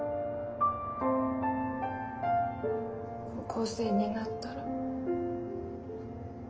高校生になったら。